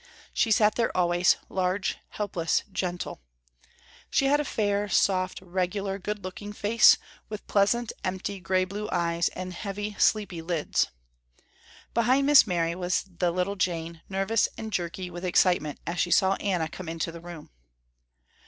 She sat there always, large, helpless, gentle. She had a fair, soft, regular, good looking face, with pleasant, empty, grey blue eyes, and heavy sleepy lids. Behind Miss Mary was the little Jane, nervous and jerky with excitement as she saw Anna come into the room.